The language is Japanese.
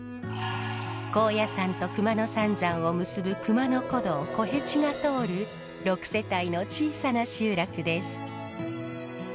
高野山と熊野三山を結ぶ熊野古道小辺路が通る６世帯の小さな集落です。